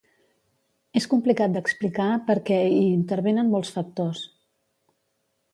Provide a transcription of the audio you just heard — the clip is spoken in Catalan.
És complicat d’explicar perquè hi intervenen molts factors.